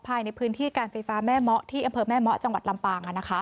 ภายในพื้นที่การไฟฟ้าแม่เมาะที่อำเภอแม่เมาะจังหวัดลำปาง